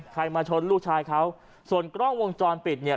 มาชนลูกชายเขาส่วนกล้องวงจรปิดเนี่ย